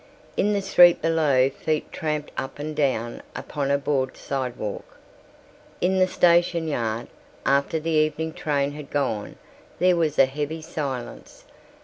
In the street below feet tramped up and down upon a board sidewalk. In the station yard, after the evening train had gone, there was a heavy silence.